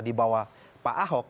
dibawah pak ahok